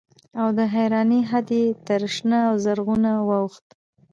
او د حيرانۍ حد يې تر شنه او زرغونه واوښت.